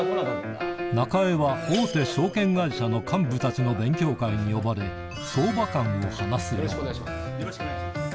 中江は大手証券会社の幹部たちの勉強会に呼ばれよろしくお願いします。